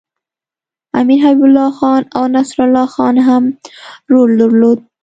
امیر حبیب الله خان او نصرالله خان هم رول درلود.